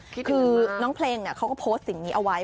คือน้องเพลงเขาก็โพสต์สิ่งนี้เอาไว้